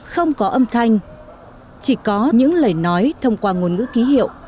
không có âm thanh chỉ có những lời nói thông qua ngôn ngữ ký hiệu